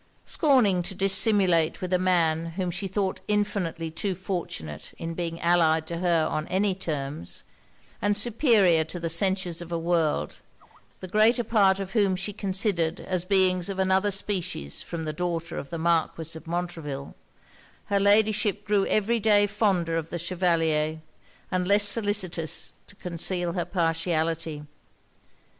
Scorning to dissimulate with a man whom she thought infinitely too fortunate in being allied to her on any terms, and superior to the censures of a world, the greater part of whom she considered as beings of another species from the daughter of the Marquis of Montreville, her Ladyship grew every day fonder of the Chevalier, and less solicitous to conceal her partiality.